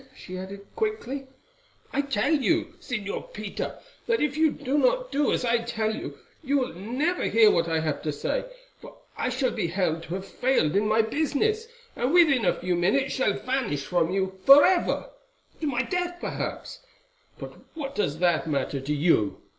she added quickly. "I tell you, Señor Peter, that if you do not do as I tell you, you will never hear what I have to say, for I shall be held to have failed in my business, and within a few minutes shall vanish from you for ever—to my death perhaps; but what does that matter to you?